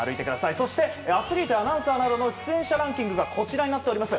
そしてアスリートやアナウンサーなどの出演者ランキングがこちらです。